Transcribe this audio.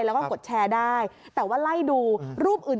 แล้วก็กดแชร์ได้แต่ว่าไล่ดูรูปอื่น